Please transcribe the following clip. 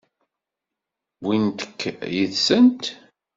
Wwint-k yid-sent?